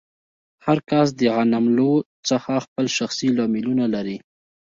هر کس د غنملو څخه خپل شخصي لاملونه لري.